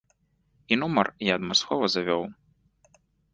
І нумар я адмыслова завёў.